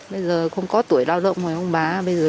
bây giờ không có tuổi lao động rồi ông bà